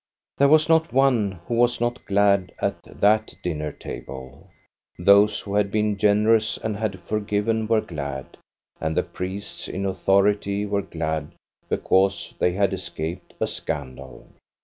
There was not one who was not glad at that dinner table. Those who had been generous and had for given were glad, and the priests in authority were glad because they had escaped a scandal.